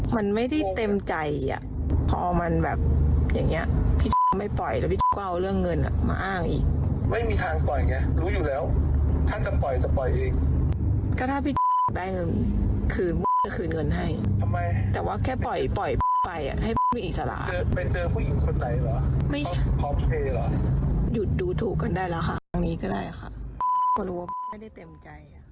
มันไม่ได้เต็มใจอ่ะพอมันแบบอย่างเงี้ยพี่ไม่ปล่อยแล้วพี่ก็เอาเรื่องเงินอ่ะมาอ้างอีกไม่มีทางปล่อยไงรู้อยู่แล้วถ้าจะปล่อยจะปล่อยเองก็ถ้าพี่ได้เงินคืนจะคืนเงินให้ทำไมแต่ว่าแค่ปล่อยปล่อยไปอ่ะให้ผู้อิสระไปเจอผู้หญิงคนไหนเหรอหยุดดูถูกกันได้แล้วค่ะครั้งนี้ก็ได้ค่ะเพราะรู้ว่าไม่ได้เต็มใจ